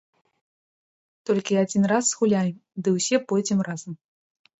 Толькі адзін раз згуляем, ды ўсе пойдзем разам.